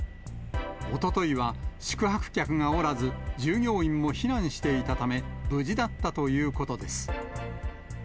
おとといは、宿泊客がおらず、従業員も避難していたため、無事だったということです。